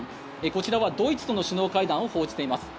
こちらはドイツとの首脳会談を報じています。